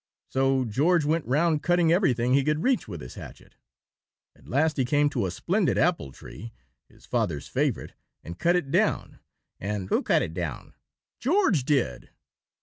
So George went round cutting everything he could reach with his hatchet. At last he came to a splendid apple tree, his father's favorite, and cut it down and " "Who cut it down?" "George did."